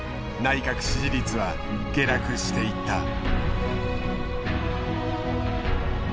内閣支持率は下落していった。